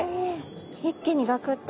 一気にガクッと。